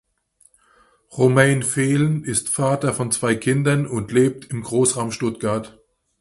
Romain Fehlen ist Vater von zwei Kindern und lebt im Großraum Stuttgart.